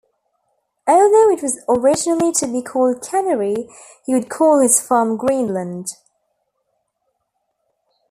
Although it was originally to be called Canary, he would call his farm "Greenland".